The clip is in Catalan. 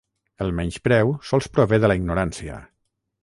"El menyspreu sols prové de la ignorància"